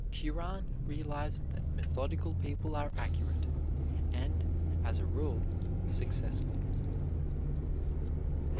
Curran realized that methodical people are accurate, and, as a rule, successful.